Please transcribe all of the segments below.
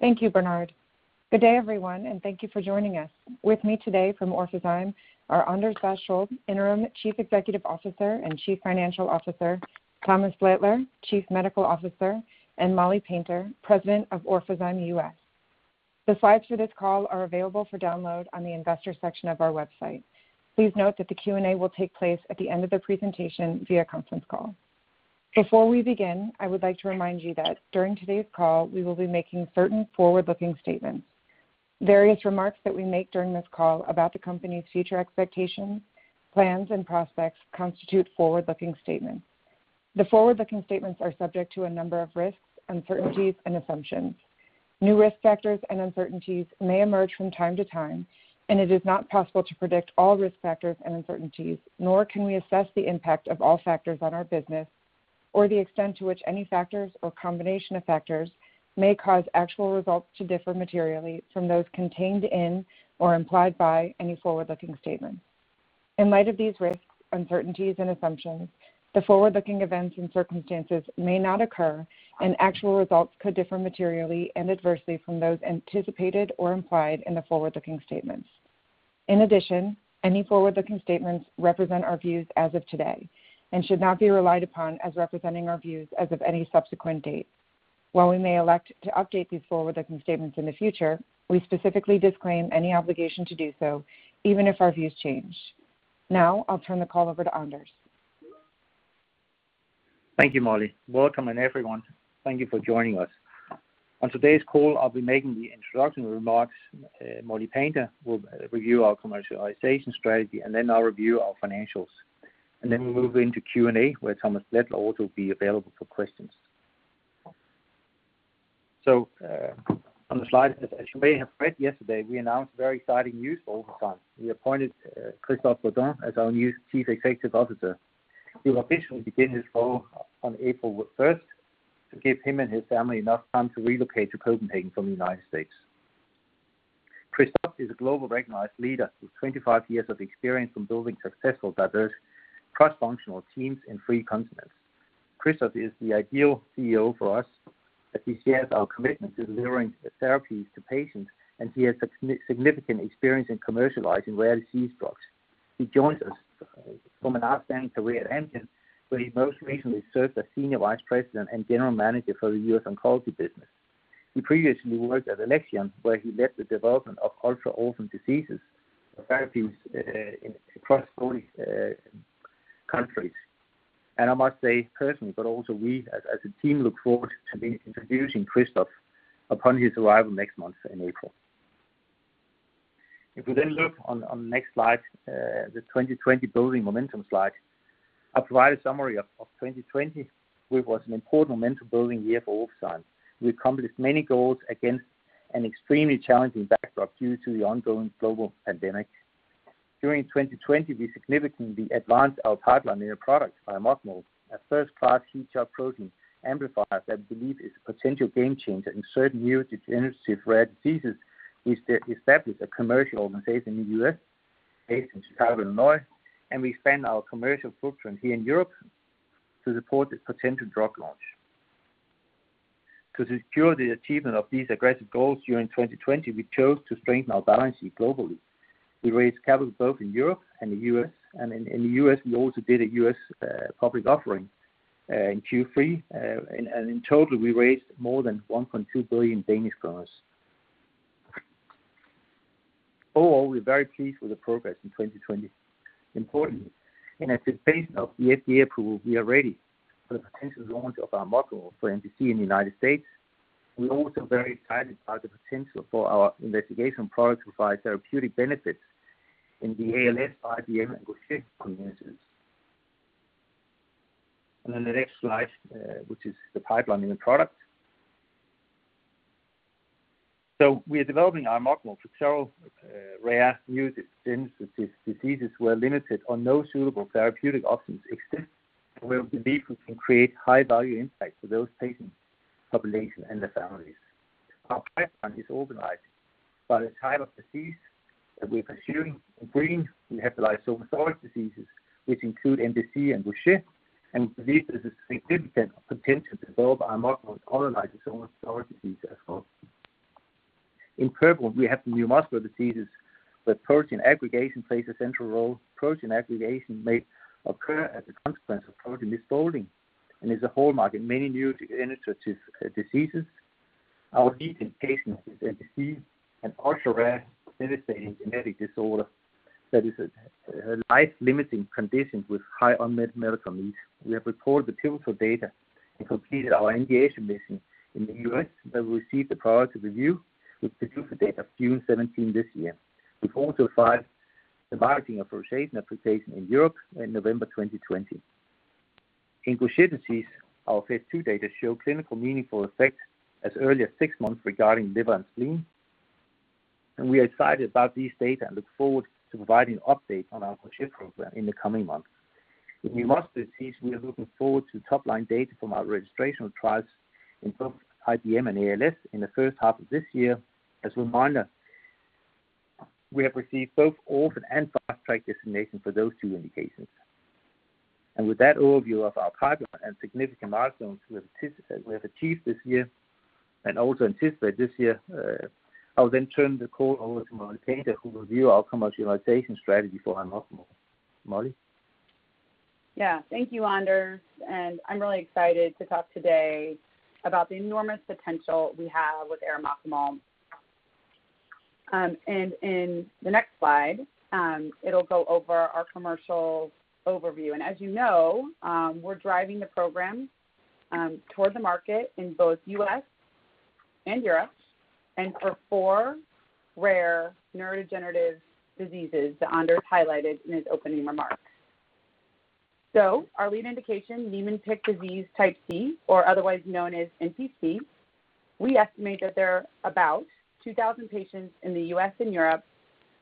Thank you, Bernard. Good day, everyone, and thank you for joining us. With me today from Orphazyme are Anders Vadsholt, Interim Chief Executive Officer and Chief Financial Officer, Thomas Blaettler, Chief Medical Officer, and Molly Painter, President of Orphazyme US. The slides for this call are available for download on the investors section of our website. Please note that the Q&A will take place at the end of the presentation via conference call. Before we begin, I would like to remind you that during today's call, we will be making certain forward-looking statements. Various remarks that we make during this call about the company's future expectations, plans, and prospects constitute forward-looking statements. The forward-looking statements are subject to a number of risks, uncertainties and assumptions. New risk factors and uncertainties may emerge from time to time, and it is not possible to predict all risk factors and uncertainties, nor can we assess the impact of all factors on our business or the extent to which any factors or combination of factors may cause actual results to differ materially from those contained in or implied by any forward-looking statement. In light of these risks, uncertainties and assumptions, the forward-looking events and circumstances may not occur, and actual results could differ materially and adversely from those anticipated or implied in the forward-looking statements. In addition, any forward-looking statements represent our views as of today and should not be relied upon as representing our views as of any subsequent date. While we may elect to update these forward-looking statements in the future, we specifically disclaim any obligation to do so, even if our views change. Now, I'll turn the call over to Anders. Thank you, Molly. Welcome, and everyone, thank you for joining us. On today's call, I'll be making the introduction remarks. Molly Painter will review our commercialization strategy, and then I'll review our financials. We'll move into Q&A, where Thomas Blaettler will also be available for questions. On the slide, as you may have read yesterday, we announced very exciting news for Orphazyme. We appointed Christophe Bourdon as our new Chief Executive Officer. He will officially begin his role on April 1st to give him and his family enough time to relocate to Copenhagen from the U.S. Christophe is a global recognized leader with 25 years of experience in building successful, diverse, cross-functional teams in three continents. Christophe is the ideal Chief Executive Officer for us as he shares our commitment to delivering therapies to patients, and he has significant experience in commercializing rare disease drugs. He joins us from an outstanding career at Amgen, where he most recently served as Senior Vice President and General Manager for the U.S. Oncology Business. He previously worked at Alexion, where he led the development of ultra-orphan diseases therapies across 40 countries. I must say personally, but also we as a team, look forward to introducing Christophe upon his arrival next month in April. We look on the next slide, the 2020 building momentum slide. I provide a summary of 2020, which was an important momentum-building year for Orphazyme. We accomplished many goals against an extremely challenging backdrop due to the ongoing global pandemic. During 2020, we significantly advanced our pipeline in a product, arimoclomol, a first-class heat shock protein amplifier that we believe is a potential game changer in certain neurodegenerative rare diseases. We established a commercial organization in the U.S. based in Chicago, Illinois. We expand our commercial footprint here in Europe to support the potential drug launch. To secure the achievement of these aggressive goals during 2020, we chose to strengthen our balance sheet globally. We raised capital both in Europe and the U.S. In the U.S., we also did a U.S. public offering in Q3. In total, we raised more than 1.2 billion Danish kroner. Overall, we're very pleased with the progress in 2020. Importantly, at the base of the FDA approval, we are ready for the potential launch of arimoclomol for NPC in the United States. We're also very excited about the potential for our investigation products to provide therapeutic benefits in the ALS, IBM, and Gaucher communities. The next slide, which is the pipeline in the product. We are developing arimoclomol for several rare neurodegenerative diseases where limited or no suitable therapeutic options exist, and where we believe we can create high-value impact for those patient population and their families. Our pipeline is organized by the type of disease that we're pursuing. In green, we have the lysosomal storage diseases, which include NPC and Gaucher disease, and we believe there's a significant potential to develop arimoclomol in other lysosomal storage diseases also. In purple, we have the neuromuscular diseases where protein aggregation plays a central role. Protein aggregation may occur as a consequence of protein misfolding and is a hallmark in many neurodegenerative diseases. Our lead indication is NPC, an ultra-rare devastating genetic disorder that is a life-limiting condition with high unmet medical needs. We have reported the pivotal data and completed our investigation in the U.S., where we received the priority review with the PDUFA date of June 17th this year. We've also filed the Marketing Authorisation Application in Europe in November 2020. In Gaucher disease, our phase II data show clinical meaningful effect as early as six months regarding liver and spleen. we are excited about these data and look forward to providing an update on our Gaucher program in the coming months. In neuromuscular disease, we are looking forward to top-line data from our registrational trials in both IBM and ALS in the first half of this year. As a reminderWe have received both orphan and fast track designation for those two indications. With that overview of our pipeline and significant milestones we have achieved this year, and also anticipate this year, I'll then turn the call over to Molly Painter, who will review our commercialization strategy for arimoclomol. Molly? Thank you, Anders, I'm really excited to talk today about the enormous potential we have with arimoclomol. In the next slide, it'll go over our commercial overview. As you know, we're driving the program toward the market in both U.S. and Europe for four rare neurodegenerative diseases that Anders highlighted in his opening remarks. Our lead indication, Niemann-Pick disease Type C, or otherwise known as NPC. We estimate that there are about 2,000 patients in the U.S. and Europe,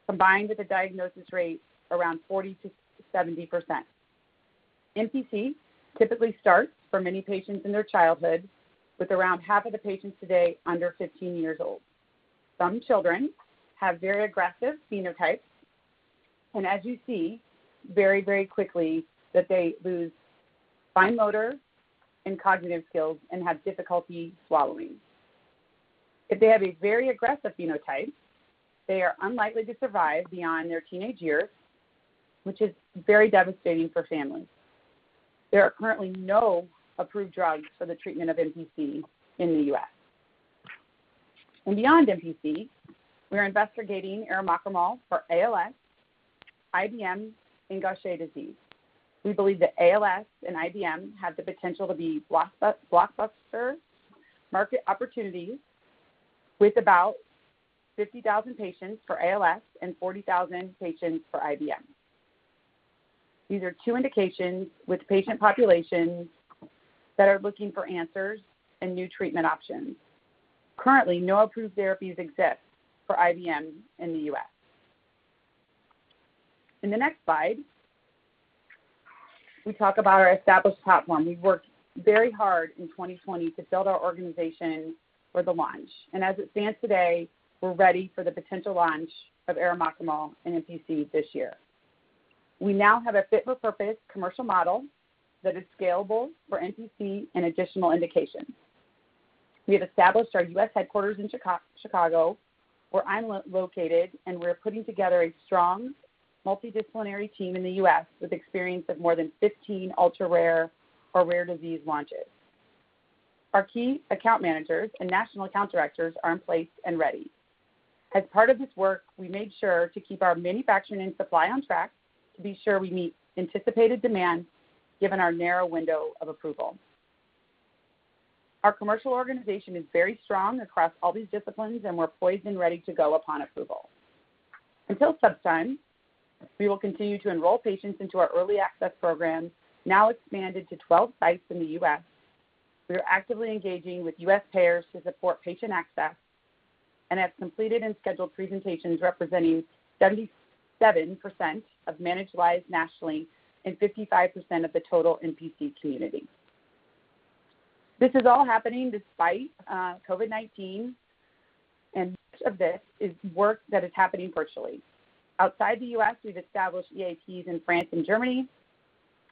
combined with a diagnosis rate around 40%-70%. NPC typically starts for many patients in their childhood, with around half of the patients today under 15 years old. Some children have very aggressive phenotypes and as you see very quickly, that they lose fine motor and cognitive skills and have difficulty swallowing. If they have a very aggressive phenotype, they are unlikely to survive beyond their teenage years, which is very devastating for families. There are currently no approved drugs for the treatment of NPC in the U.S. Beyond NPC, we're investigating arimoclomol for ALS, IBM, and Gaucher disease. We believe that ALS and IBM have the potential to be blockbuster market opportunities with about 50,000 patients for ALS and 40,000 patients for IBM. These are two indications with patient populations that are looking for answers and new treatment options. Currently, no approved therapies exist for IBM in the U.S. In the next slide, we talk about our established platform. We've worked very hard in 2020 to build our organization for the launch. As it stands today, we're ready for the potential launch of arimoclomol and NPC this year. We now have a fit-for-purpose commercial model that is scalable for NPC and additional indications. We have established our U.S. headquarters in Chicago, where I'm located, and we're putting together a strong multidisciplinary team in the U.S. with experience of more than 15 ultra-rare or rare disease launches. Our key account managers and national account directors are in place and ready. As part of this work, we made sure to keep our manufacturing and supply on track to be sure we meet anticipated demand, given our narrow window of approval. Our commercial organization is very strong across all these disciplines, and we're poised and ready to go upon approval. Until sub time, we will continue to enroll patients into our early access programs, now expanded to 12 sites in the U.S. We are actively engaging with U.S. payers to support patient access and have completed and scheduled presentations representing 77% of managed lives nationally and 55% of the total NPC community. This is all happening despite COVID-19, and much of this is work that is happening virtually. Outside the U.S., we've established EAPs in France and Germany,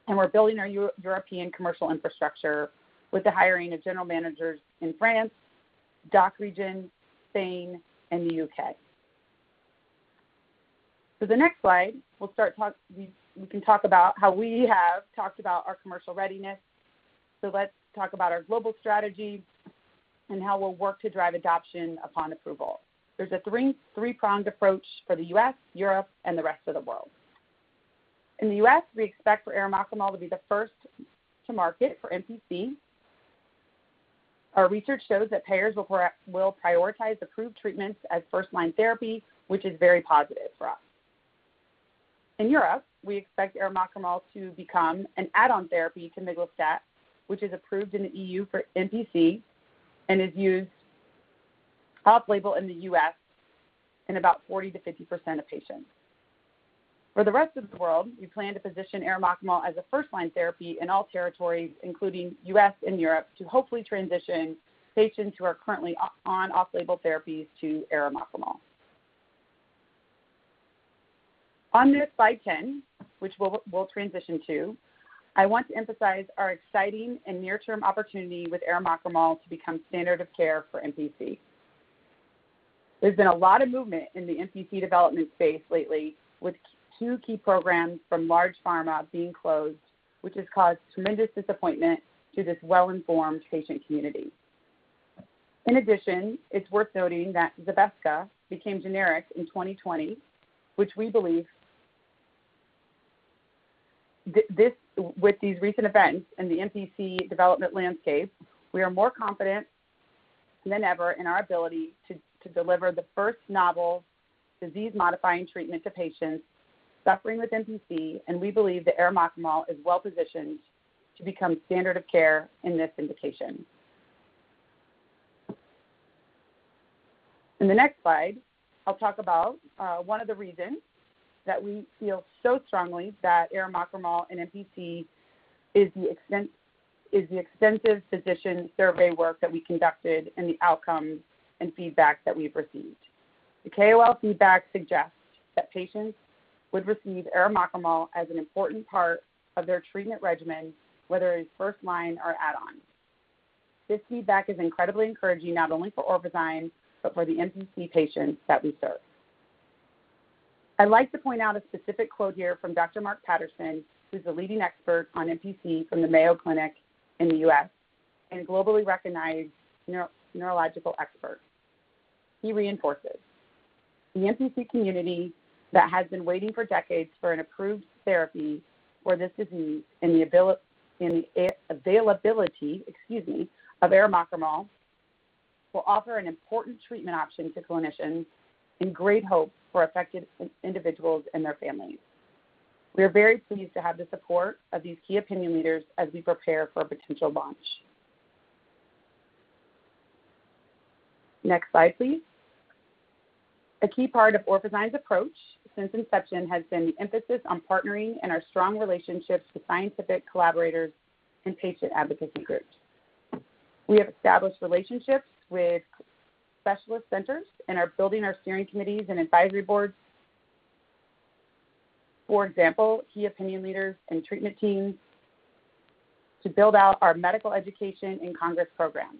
and we're building our European commercial infrastructure with the hiring of general managers in France, DACH Region, Spain, and the U.K. The next slide, we can talk about how we have talked about our commercial readiness. Let's talk about our global strategy and how we'll work to drive adoption upon approval. There's a three-pronged approach for the U.S., Europe, and the rest of the world. In the U.S., we expect for arimoclomol to be the first to market for NPC. Our research shows that payers will prioritize approved treatments as first-line therapy, which is very positive for us. In Europe, we expect arimoclomol to become an add-on therapy to miglustat, which is approved in the EU for NPC and is used off-label in the U.S. in about 40%-50% of patients. For the rest of the world, we plan to position arimoclomol as a first-line therapy in all territories, including U.S. and Europe, to hopefully transition patients who are currently on off-label therapies to arimoclomol. On this slide 10, which we'll transition to, I want to emphasize our exciting and near-term opportunity with arimoclomol to become standard of care for NPC. There's been a lot of movement in the NPC development space lately, with two key programs from large pharma being closed, which has caused tremendous disappointment to this well-informed patient community. In addition, it's worth noting that Zavesca became generic in 2020, which we believe With these recent events in the NPC development landscape, we are more confident than ever in our ability to deliver the first novel disease-modifying treatment to patients suffering with NPC, and we believe that arimoclomol is well positioned to become standard of care in this indication. In the next slide, I'll talk about one of the reasons that we feel so strongly that arimoclomol and NPC is the extensive physician survey work that we conducted and the outcomes and feedback that we've received. The KOL feedback suggests that patients would receive arimoclomol as an important part of their treatment regimen, whether it is first-line or add-on. This feedback is incredibly encouraging, not only for Orphazyme but for the NPC patients that we serve. I'd like to point out a specific quote here from Dr. Marc Patterson, who's the leading expert on NPC from the Mayo Clinic in the U.S., and a globally recognized neurological expert. He reinforces, "The NPC community that has been waiting for decades for an approved therapy for this disease and the availability of arimoclomol will offer an important treatment option to clinicians and great hope for affected individuals and their families." We are very pleased to have the support of these key opinion leaders as we prepare for a potential launch. Next slide, please. A key part of Orphazyme's approach since inception has been the emphasis on partnering and our strong relationships with scientific collaborators and patient advocacy groups. We have established relationships with specialist centers and are building our steering committees and advisory boards. For example, key opinion leaders and treatment teams to build out our medical education and congress programs.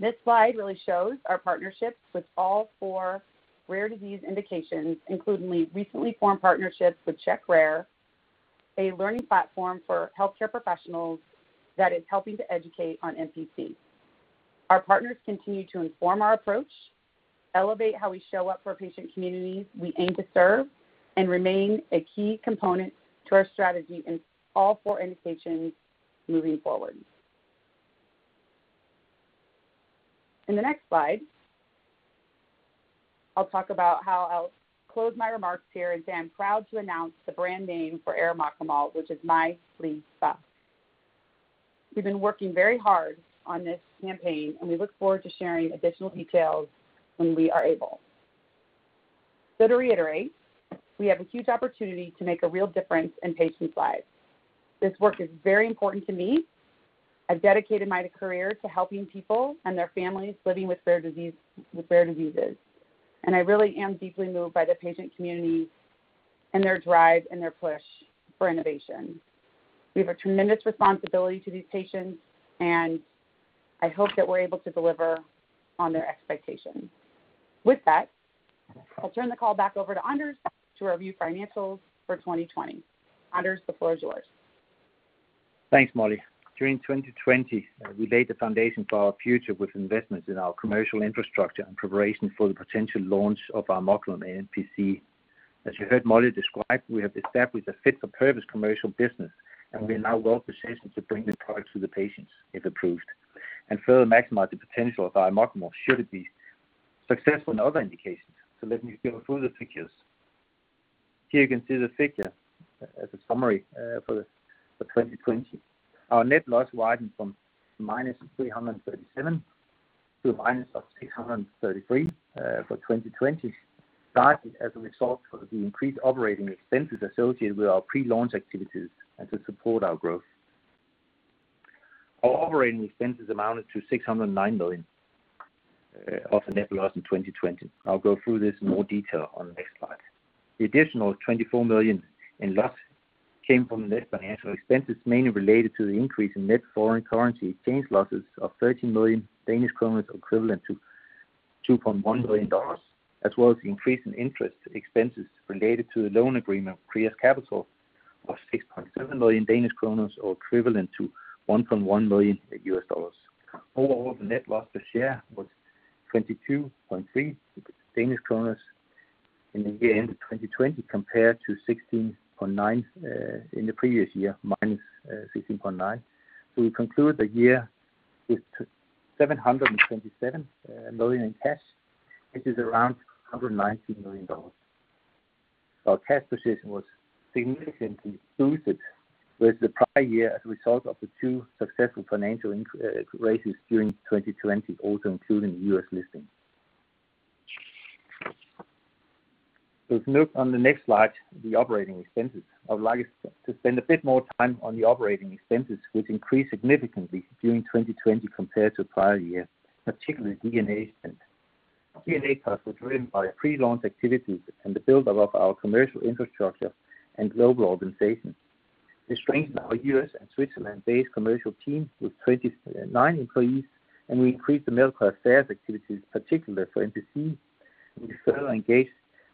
This slide really shows our partnerships with all four rare disease indications, including recently formed partnerships with CheckRare, a learning platform for healthcare professionals that is helping to educate on NPC. Our partners continue to inform our approach, elevate how we show up for patient communities we aim to serve, and remain a key component to our strategy in all four indications moving forward. In the next slide, I'll talk about how I'll close my remarks here and say I'm proud to announce the brand name for arimoclomol, which is MIPLYFFA. We've been working very hard on this campaign, and we look forward to sharing additional details when we are able. To reiterate, we have a huge opportunity to make a real difference in patients' lives. This work is very important to me. I've dedicated my career to helping people and their families living with rare diseases. I really am deeply moved by the patient community and their drive and their push for innovation. We have a tremendous responsibility to these patients, and I hope that we're able to deliver on their expectations. With that, I'll turn the call back over to Anders to review financials for 2020. Anders, the floor is yours. Thanks, Molly. During 2020, we laid the foundation for our future with investments in our commercial infrastructure and preparation for the potential launch of arimoclomol in NPC. As you heard Molly describe, we have established a fit for purpose commercial business, and we are now well-positioned to bring the product to the patients, if approved, and further maximize the potential of arimoclomol should it be successful in other indications. Let me go through the figures. Here you can see the figure as a summary for 2020. Our net loss widened from -337 to -633 for 2020, largely as a result of the increased operating expenses associated with our pre-launch activities and to support our growth. Our operating expenses amounted to 609 million of the net loss in 2020. I'll go through this in more detail on the next slide. The additional 24 million in loss came from net financial expenses, mainly related to the increase in net foreign currency exchange losses of 13 million Danish kroner, equivalent to $2.1 million, as well as the increase in interest expenses related to the loan agreement with Kreos Capital of 6.7 million Danish kroner or equivalent to $1.1 million. Overall, the net loss per share was 22.3 Danish kroner in the year-end of 2020, compared to 16.9 in the previous year, -16.9. We conclude the year with 727 million in cash, which is around $119 million. Our cash position was significantly boosted with the prior year as a result of the two successful financial raises during 2020, also including the U.S. listing. If you look on the next slide, the operating expenses. I would like to spend a bit more time on the operating expenses, which increased significantly during 2020 compared to the prior year, particularly D&A expense. D&A costs were driven by pre-launch activities and the build-up of our commercial infrastructure and global organization. We strengthened our U.S. and Switzerland-based commercial teams with 29 employees, and we increased the medical affairs activities, particularly for NPC. We further engaged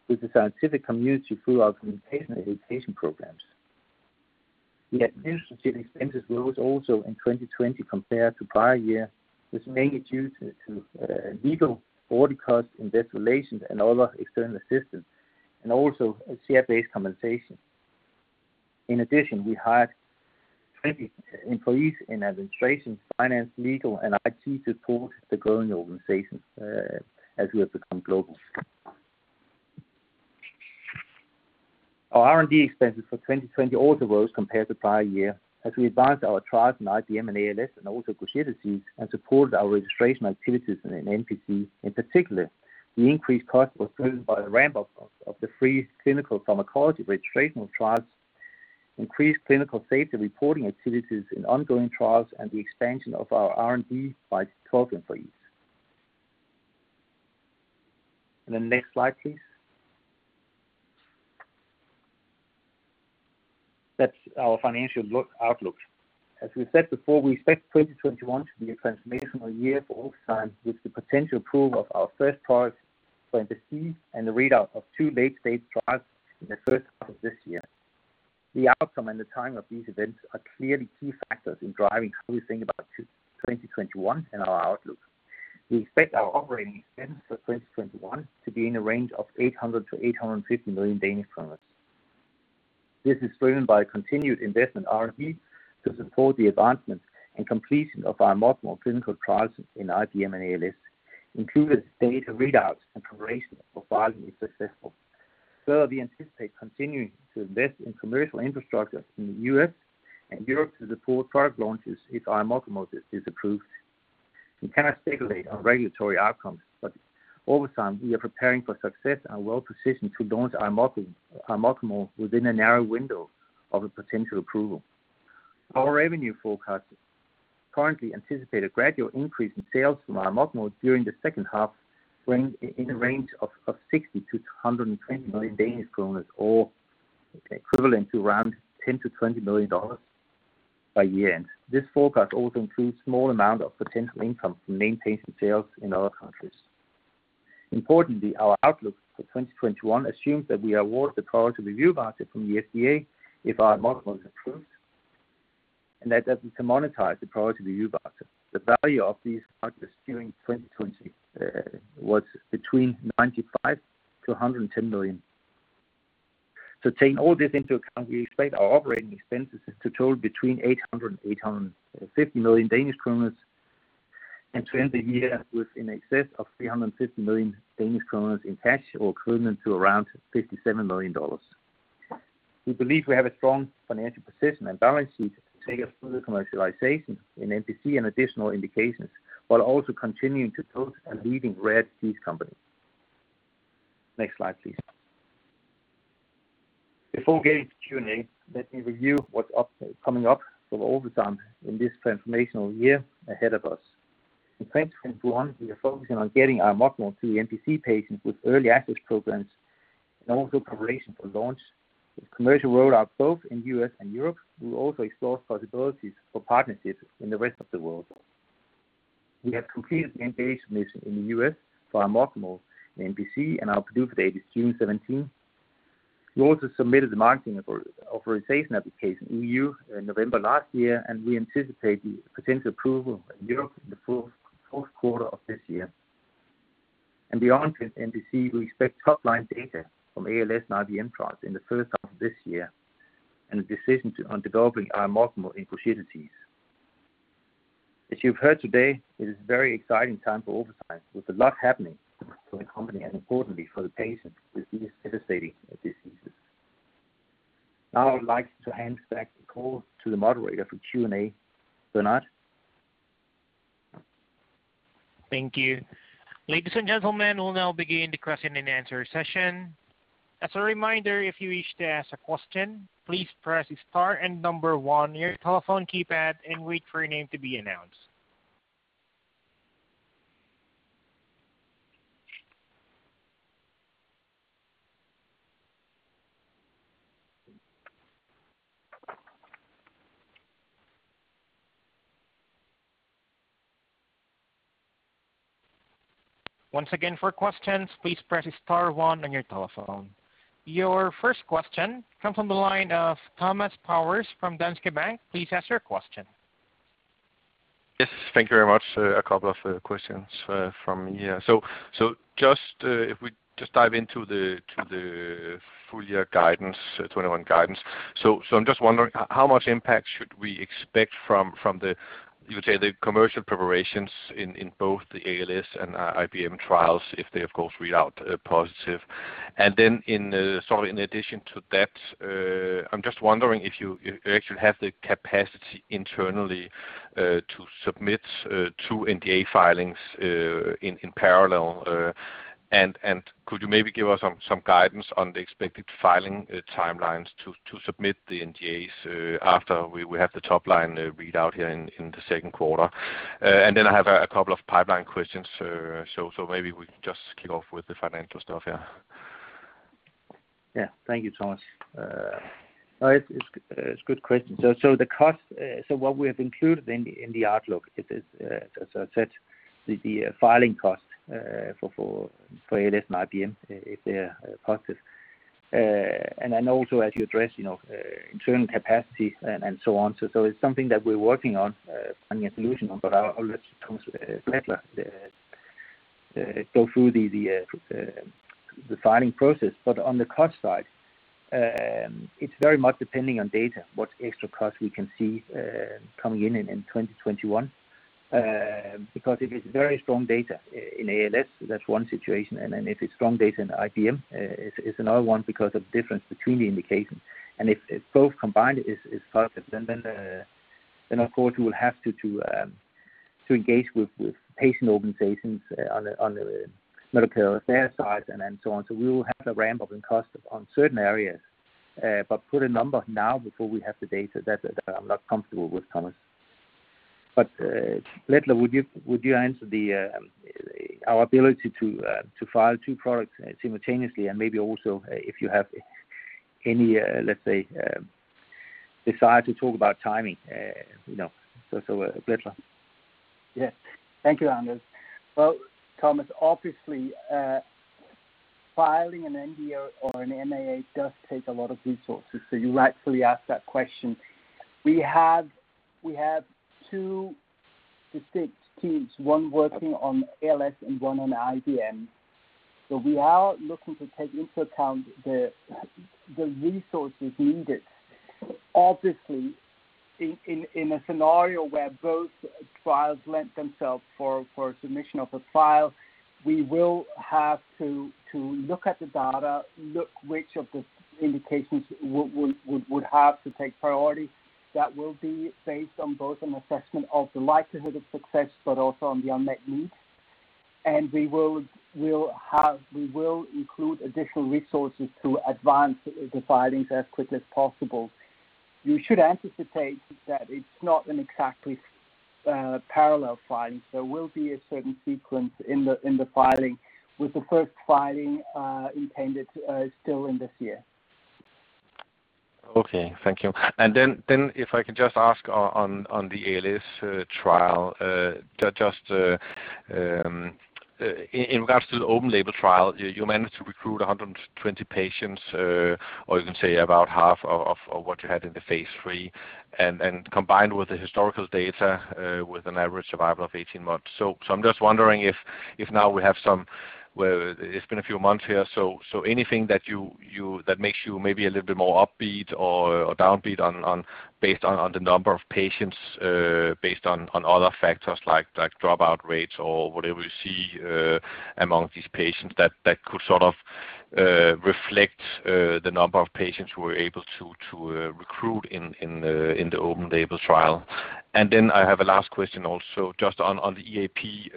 with the scientific community through our communication and education programs. The administrative expenses rose also in 2020 compared to prior year, which was mainly due to legal, audit costs, investigations, and other external assistance, and also share-based compensation. In addition, we hired 20 employees in administration, finance, legal, and IT to support the growing organization as we have become global. Our R&D expenses for 2020 also rose compared to the prior year as we advanced our trials in IBM and ALS and also Gaucher disease and supported our registration activities in NPC. The increased cost was driven by the ramp-up of the three clinical pharmacology registration trials, increased clinical safety reporting activities in ongoing trials, and the expansion of our R&D by 12 employees. Next slide, please. That's our financial outlook. As we said before, we expect 2021 to be a transformational year for Orphazyme with the potential approval of our first product for NPC and the readout of two late-stage trials in the first half of this year. The outcome and the time of these events are clearly key factors in driving how we think about 2021 and our outlook. We expect our operating expenses for 2021 to be in a range of 800 million- 850 million Danish kroner. This is driven by continued investment in R&D to support the advancement and completion of our multiple clinical trials in IBM and ALS, including data readouts and preparation for filing if successful. We anticipate continuing to invest in commercial infrastructure in the U.S. and Europe to support product launches if arimoclomol is approved. We cannot speculate on regulatory outcomes, Orphazyme, we are preparing for success and well-positioned to launch arimoclomol within a narrow window of a potential approval. Our revenue forecast currently anticipate a gradual increase in sales from arimoclomol during the second half, in the range of 60 million-120 million Danish kroner, or equivalent to around $10 million-$20 million by year-end. This forecast also includes small amount of potential income from maintenance and sales in other countries. Importantly, our outlook for 2021 assumes that we are awarded the priority review voucher from the FDA if arimoclomol is approved, and that's if we can monetize the priority review voucher. The value of these vouchers during 2020 was between 95 million-110 million. We expect our operating expenses to total between 800 million-850 million Danish kroner and to end the year with in excess of 350 million Danish kroner in cash or equivalent to around $57 million. We believe we have a strong financial position and balance sheet to take us through the commercialization in NPC and additional indications, while also continuing to build a leading rare disease company. Next slide, please. Before getting to Q&A, let me review what's coming up for Orphazyme in this transformational year ahead of us. In 2021, we are focusing on getting arimoclomol to the NPC patients with early access programs and also preparation for launch. With commercial rollout both in U.S. and Europe, we will also explore possibilities for partnerships in the rest of the world. We have completed the NDA submission in the U.S. for arimoclomol in NPC, and our PDUFA date is June 17. We also submitted the Marketing Authorisation Application in EU in November last year, and we anticipate the potential approval in Europe in the fourth quarter of this year. Beyond NPC, we expect top-line data from ALS and IBM trials in the first half of this year, and a decision on developing arimoclomol in Gaucher disease. As you've heard today, it is a very exciting time for Orphazyme, with a lot happening for the company and importantly for the patients with these devastating diseases. Now, I would like to hand back the call to the moderator for Q&A. Bernard? Thank you. Ladies and gentlemen, we'll now begin the question and answer session. Your first question comes on the line of Thomas Bowers from Danske Bank. Please ask your question. Yes. Thank you very much. A couple of questions from me. If we just dive into the full-year guidance, 2021 guidance. I'm just wondering how much impact should we expect from the, you could say the commercial preparations in both the ALS and IBM trials, if they, of course, read out positive? In addition to that, I'm just wondering if you actually have the capacity internally to submit two NDA filings in parallel. Could you maybe give us some guidance on the expected filing timelines to submit the NDAs after we have the top-line readout here in the second quarter? I have a couple of pipeline questions. Maybe we can just kick off with the financial stuff here. Thank you, Thomas. It's a good question. What we have included in the outlook is, as I said, the filing cost for ALS and IBM if they are positive, and also as you address internal capacity and so on. It's something that we're working on, finding a solution on, but I'll let Thomas Blaettler go through the filing process. On the cost side, it's very much depending on data, what extra cost we can see coming in in 2021. If it's very strong data in ALS, that's one situation, if it's strong data in IBM, it's another one because of difference between the indications. If both combined is positive, then of course, we will have to engage with patient organizations on the medical fair side and so on. We will have a ramp-up in cost on certain areas. Put a number now before we have the data, that I'm not comfortable with, Thomas. Blaettler, would you answer our ability to file two products simultaneously and maybe also if you have any, let's say, desire to talk about timing? Blaettler. Yes. Thank you, Anders. Thomas, obviously, filing an NDA or an MAA does take a lot of resources, so you rightfully ask that question. We have two distinct teams, one working on ALS and one on IBM. We are looking to take into account the resources needed. Obviously, in a scenario where both trials lent themselves for submission of a file, we will have to look at the data, look which of the indications would have to take priority. That will be based on both an assessment of the likelihood of success, but also on the unmet needs. We will include additional resources to advance the filings as quickly as possible. You should anticipate that it's not an exactly parallel filing. There will be a certain sequence in the filing, with the first filing intended still in this year. Okay. Thank you. If I can just ask on the ALS trial, just in regards to the open-label trial, you managed to recruit 120 patients, or you can say about half of what you had in the phase III, combined with the historical data, with an average survival of 18 months. I'm just wondering if now we have some where it's been a few months here, anything that makes you maybe a little bit more upbeat or downbeat based on the number of patients, based on other factors like dropout rates or whatever you see among these patients that could sort of reflect the number of patients who were able to recruit in the open-label trial? I have a last question also just on the EAP.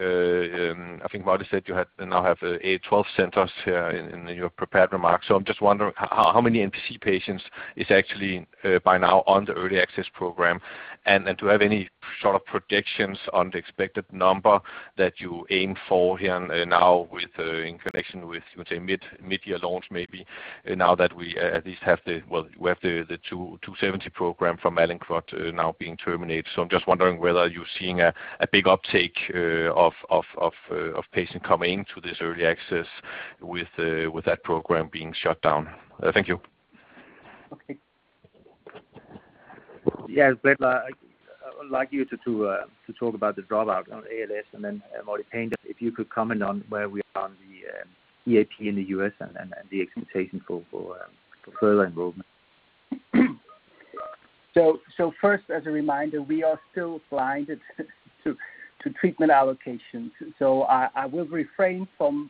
I think Marty said you now have 12 centers here in your prepared remarks. I'm just wondering how many NPC patients is actually by now on the early access program, and do you have any sort of predictions on the expected number that you aim for here now in connection with, you would say, mid-year launch, maybe, now that we at least have the VTS-270 program from Mallinckrodt's now being terminated. I'm just wondering whether you're seeing a big uptake of patients coming to this early access with that program being shut down. Thank you. Okay. Yeah, Blaettler, I would like you to talk about the dropout on ALS, and then Molly Painter, if you could comment on where we are on the EAP in the U.S. and the expectation for further enrollment. First, as a reminder, we are still blinded to treatment allocations, so I will refrain from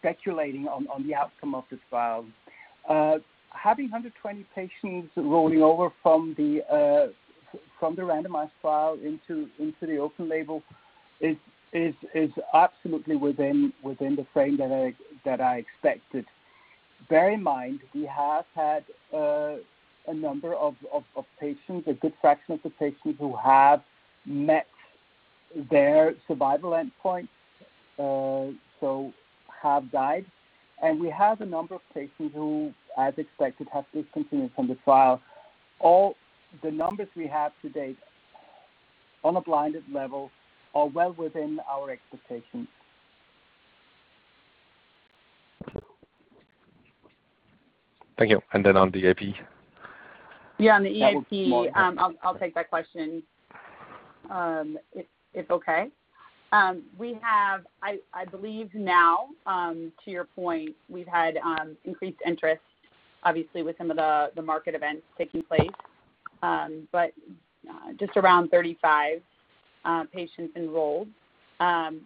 speculating on the outcome of this file. Having 120 patients rolling over from the randomized file into the open label is absolutely within the frame that I expected. Bear in mind, we have had a number of patients, a good fraction of the patients who have met their survival endpoint, so have died. We have a number of patients who, as expected, have discontinued from the file. All the numbers we have to date on a blinded level are well within our expectations. Thank you. On the EAP? Yeah, on the EAP, I'll take that question if okay. We have, I believe now, to your point, we've had increased interest, obviously with some of the market events taking place, but just around 35 patients enrolled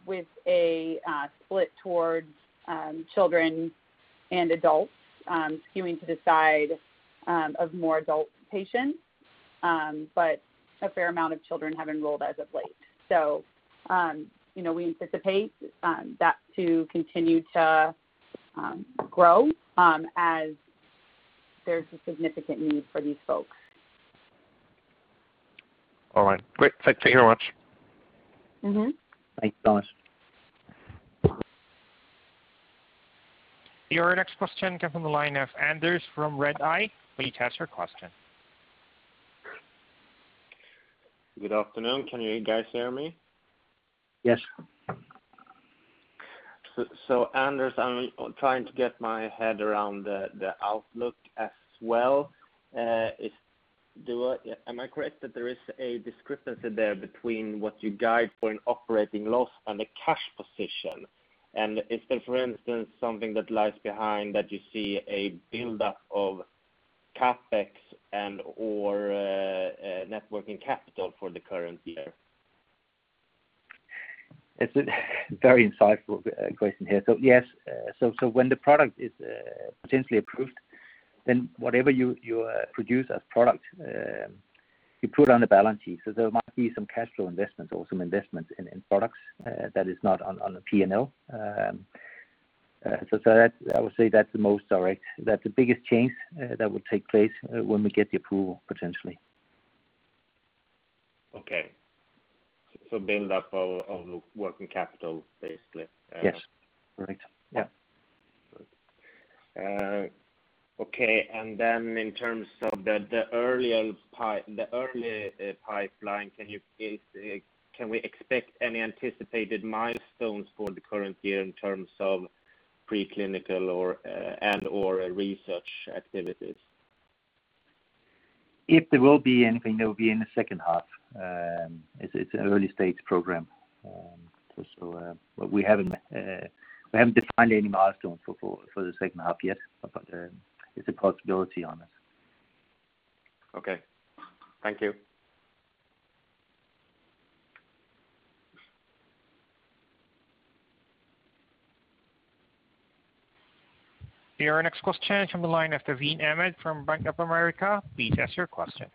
with a split towards children and adults skewing to the side of more adult patients, but a fair amount of children have enrolled as of late. We anticipate that to continue to grow as there's a significant need for these folks. All right, great. Thank you very much. Thanks, Thomas. Your next question comes on the line of Anders from Redeye. Please ask your question. Good afternoon. Can you guys hear me? Yes. Anders, I'm trying to get my head around the outlook as well. Am I correct that there is a discrepancy there between what you guide for an operating loss and a cash position? And is there, for instance, something that lies behind that you see a buildup of CapEx and/or networking capital for the current year? It's a very insightful question here. Yes, when the product is potentially approved, then whatever you produce as product, you put on the balance sheet. There might be some cash flow investments or some investments in products that is not on the P&L. I would say that's the most direct. That's the biggest change that would take place when we get the approval, potentially. Okay. Build up our working capital, basically. Yes. Correct. Yeah. Good. Okay. In terms of the early pipeline, can we expect any anticipated milestones for the current year in terms of preclinical and/or research activities? If there will be anything, that will be in the second half. It's an early-stage program. We haven't defined any milestones for the second half yet, but it's a possibility on it. Okay. Thank you. Your next question is on the line. That's Tazeen Ahmad from Bank of America. Please ask your question.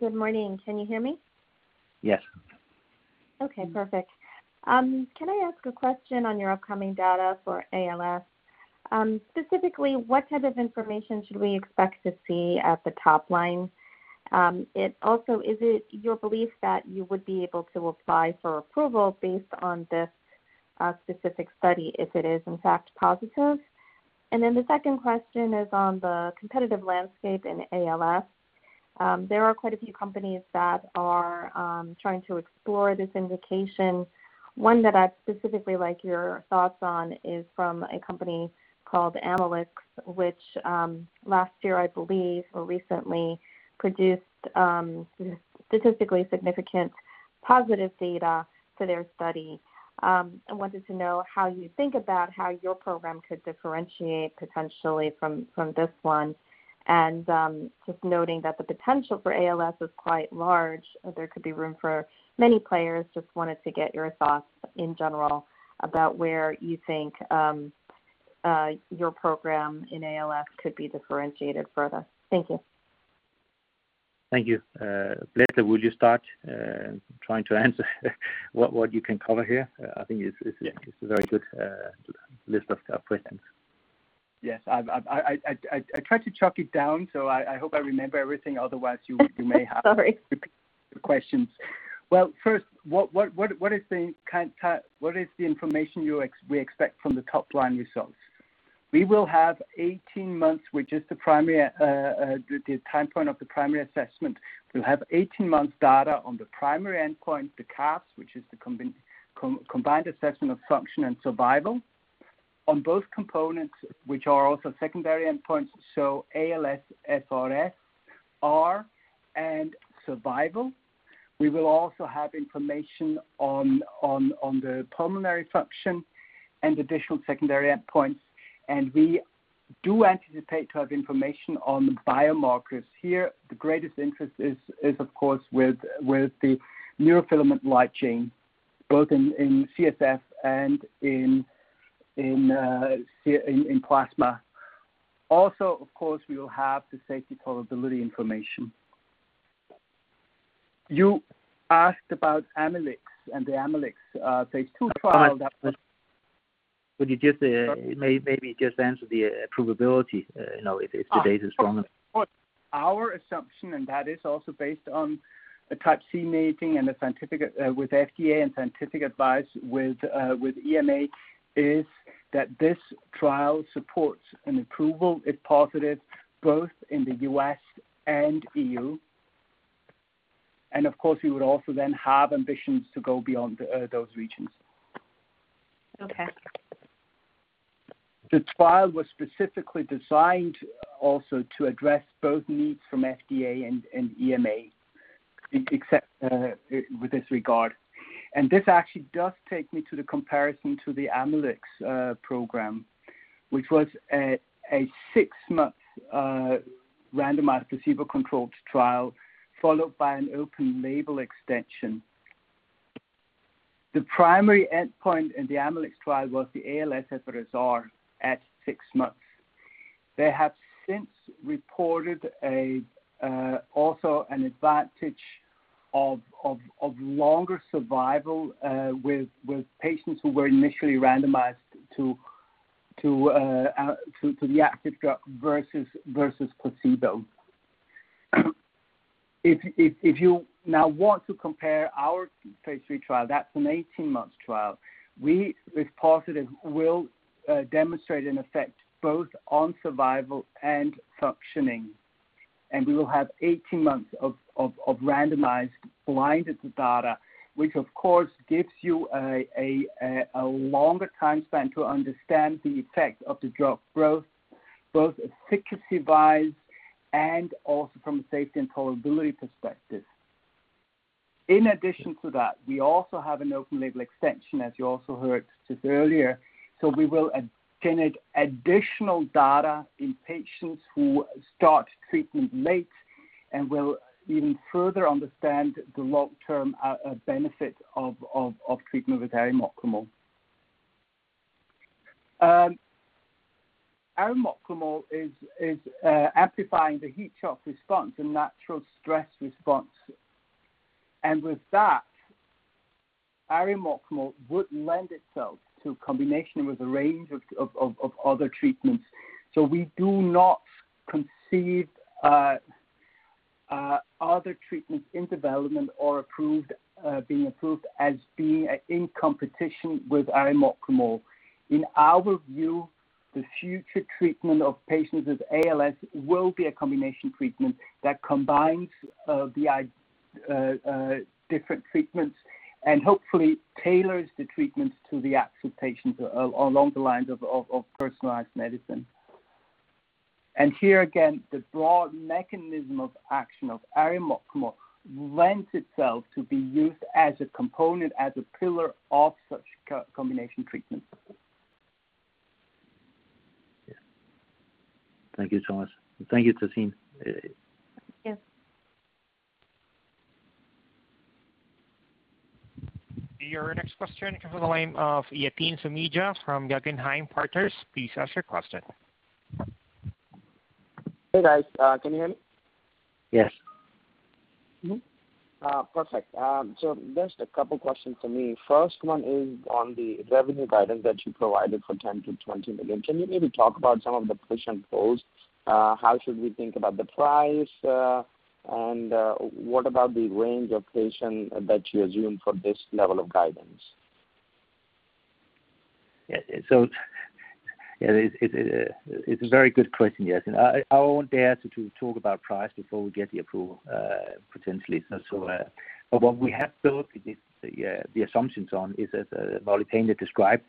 Good morning. Can you hear me? Yes. Okay, perfect. Can I ask a question on your upcoming data for ALS? Specifically, what type of information should we expect to see at the top line? Is it your belief that you would be able to apply for approval based on this specific study if it is, in fact, positive? The second question is on the competitive landscape in ALS. There are quite a few companies that are trying to explore this indication. One that I'd specifically like your thoughts on is from a company called Amylyx, which last year, I believe, or recently, produced statistically significant positive data for their study. I wanted to know how you think about how your program could differentiate potentially from this one, and just noting that the potential for ALS is quite large. There could be room for many players. Just wanted to get your thoughts in general about where you think your program in ALS could be differentiated further. Thank you. Thank you. Peter, would you start trying to answer what you can cover here? I think it's a very good list of questions. Yes. I tried to chuck it down, so I hope I remember everything. Otherwise, you may have- Sorry Questions. Well, first, what is the information we expect from the top-line results? We will have 18 months, which is the time point of the primary assessment. We'll have 18 months data on the primary endpoint, the CAFS, which is the Combined Assessment of Function and Survival, on both components, which are also secondary endpoints, so ALSFRS-R and survival. We will also have information on the pulmonary function and additional secondary endpoints, and we do anticipate to have information on biomarkers. Here, the greatest interest is, of course, with the neurofilament light chain, both in CSF and in plasma. Also, of course, we will have the safety tolerability information. You asked about Amylyx and the Amylyx phase II trial. Maybe just answer the approvability, if the data is strong enough. Our assumption, that is also based on a Type C meeting with FDA and scientific advice with EMA, is that this trial supports an approval. It's positive both in the U.S. and EU, of course, we would also then have ambitions to go beyond those regions. Okay. The trial was specifically designed also to address both needs from FDA and EMA with this regard. This actually does take me to the comparison to the Amylyx program, which was a six-month randomized placebo-controlled trial followed by an open label extension. The primary endpoint in the Amylyx trial was the ALSFRS-R at six months. They have since reported also an advantage of longer survival with patients who were initially randomized to the active drug versus placebo. If you now want to compare our phase III trial, that's an 18-month trial. If positive, we'll demonstrate an effect both on survival and functioning, and we will have 18 months of randomized blinded data, which of course gives you a longer time span to understand the effect of the drug, both efficacy-wise and also from a safety and tolerability perspective. In addition to that, we also have an open label extension, as you also heard just earlier. We will generate additional data in patients who start treatment late, and we'll even further understand the long-term benefits of treatment with arimoclomol. arimoclomol is amplifying the heat shock response, the natural stress response. With that, arimoclomol would lend itself to combination with a range of other treatments. We do not conceive other treatments in development or being approved as being in competition with arimoclomol. In our view, the future treatment of patients with ALS will be a combination treatment that combines the different treatments and hopefully tailors the treatments to the actual patients along the lines of personalized medicine. Here again, the broad mechanism of action of arimoclomol lends itself to be used as a component, as a pillar of such combination treatment. Yeah. Thank you so much. Thank you, Thomas. Thank you. Your next question comes on the line of Yatin Suneja from Guggenheim Securities. Please ask your question. Hey, guys. Can you hear me? Yes. Mm-hmm. Perfect. Just a couple questions from me. First one is on the revenue guidance that you provided for 10 million-20 million. Can you maybe talk about some of the push and pulls? How should we think about the price? What about the range of patients that you assume for this level of guidance? Yeah. It's a very good question, Yatin Suneja. I won't dare to talk about price before we get the approval, potentially. What we have built the assumptions on is, as Molly Painter has described,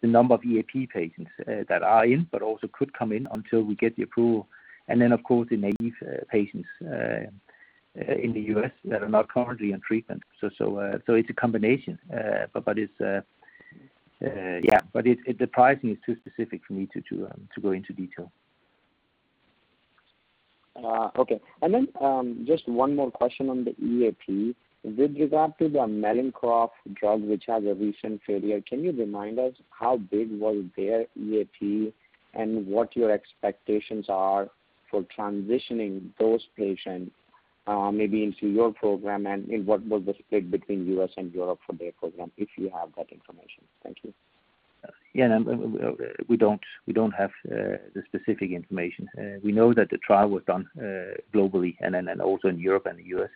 the number of EAP patients that are in, but also could come in until we get the approval. Then, of course, the naive patients in the U.S. that are not currently on treatment. It's a combination. The pricing is too specific for me to go into detail. Okay. Just one more question on the EAP. With regard to the Mallinckrodt drug which had a recent failure, can you remind us how big was their EAP and what your expectations are for transitioning those patients maybe into your program, and what was the split between U.S. and Europe for their program, if you have that information? Thank you. Yeah. We don't have the specific information. We know that the trial was done globally and then also in Europe and the U.S.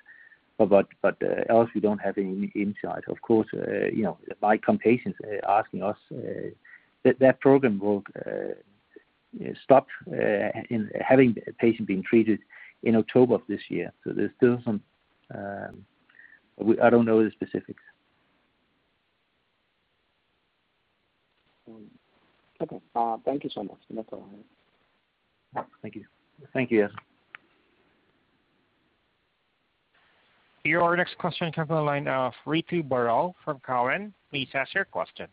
Else we don't have any insight. Of course, Biocom patients asking us that their program will stop having patients being treated in October of this year. I don't know the specifics. Okay. Thank you so much. No problem. Thank you. Thank you. Your next question comes on the line of Ritu Baral from Cowen. Please ask your question.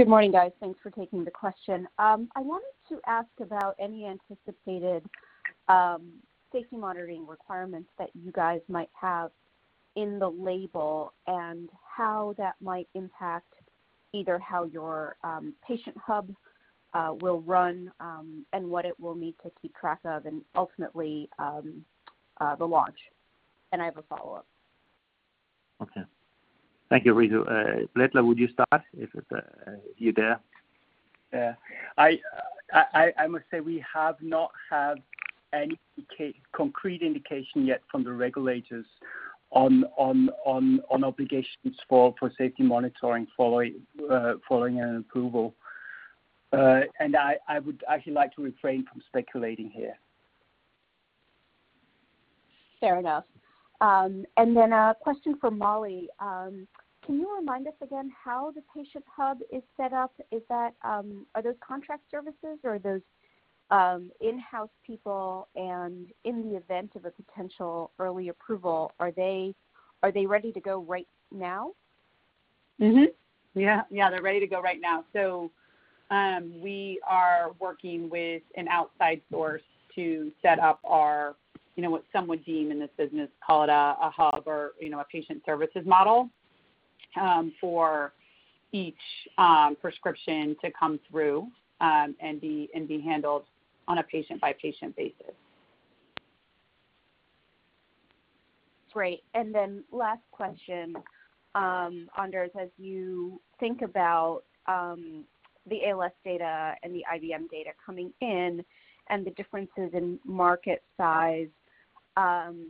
Good morning, guys. Thanks for taking the question. I wanted to ask about any anticipated safety monitoring requirements that you guys might have in the label and how that might impact either how your patient hub will run and what it will need to keep track of, and ultimately, the launch. I have a follow-up. Okay. Thank you, Ritu. Blaettler, would you start if you're there? Yeah. I must say, we have not had any concrete indication yet from the regulators on obligations for safety monitoring following an approval. I would actually like to refrain from speculating here. Fair enough. A question for Molly. Can you remind us again how the patient hub is set up? Are those contract services or are those in-house people? In the event of a potential early approval, are they ready to go right now? Yeah. They're ready to go right now. We are working with an outside source to set up our, what some would deem in this business, call it a hub or a patient services model, for each prescription to come through and be handled on a patient-by-patient basis. Great. Last question. Anders, as you think about the ALS data and the IBM data coming in and the differences in market size, I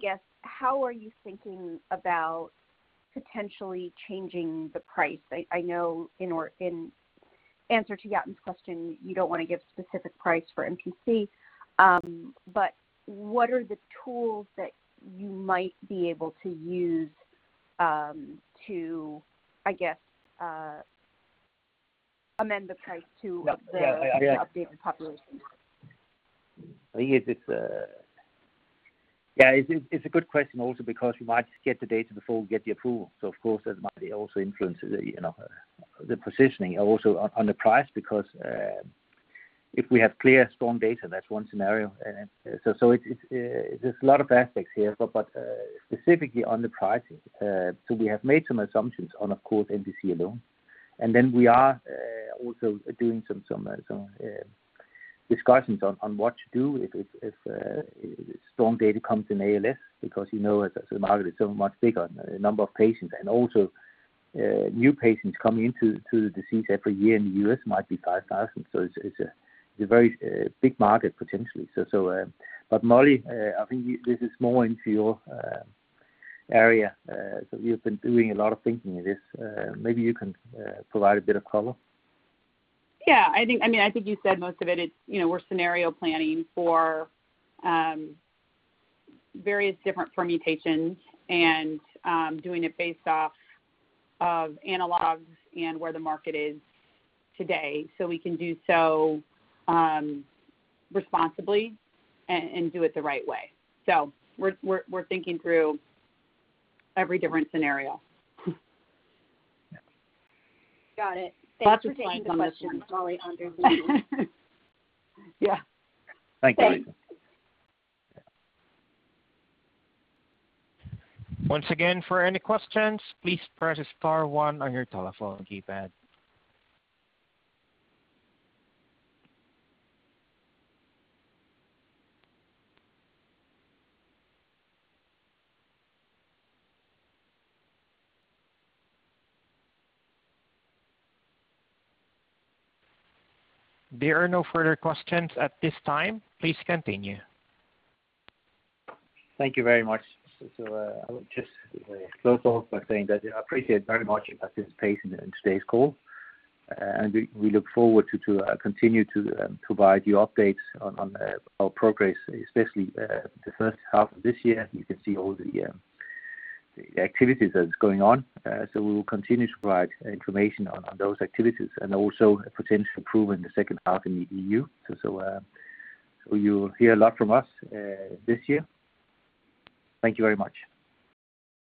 guess, how are you thinking about potentially changing the price? I know in answer to Yatin's question, you don't want to give specific price for NPC. What are the tools that you might be able to use to, I guess, amend the price to? Yeah reflect the updated population? Yeah, it's a good question also because we might get the data before we get the approval. Of course, that might also influence the positioning also on the price because. If we have clear strong data, that's one scenario. There's a lot of aspects here, but specifically on the pricing, so we have made some assumptions on, of course, NPC alone, and then we are also doing some discussions on what to do if strong data comes in ALS, because as the market is so much bigger, the number of patients and also new patients coming into the disease every year in the U.S. might be 5,000 patients. It's a very big market potentially. Molly, I think this is more into your area. You've been doing a lot of thinking of this. Maybe you can provide a bit of color. I think you said most of it. We're scenario planning for various different permutations and doing it based off of analogs and where the market is today, so we can do so responsibly and do it the right way. We're thinking through every different scenario. Got it. Thanks for taking the question, Molly. Under review. Yeah. Thank you. Thanks. Once again, for any questions, please press star one on your telephone keypad. There are no further questions at this time. Please continue. Thank you very much. I will just close off by saying that I appreciate very much your participation in today's call, and we look forward to continue to provide you updates on our progress, especially the first half of this year. You can see all the activities that is going on. We will continue to provide information on those activities and also potential approval in the second half in the EU. You will hear a lot from us this year. Thank you very much.